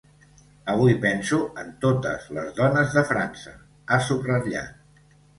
Avui penso en totes les dones de França, ha subratllat.